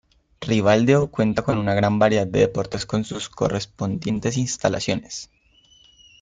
Ribadeo cuenta con una gran variedad de deportes, con sus correspondientes instalaciones.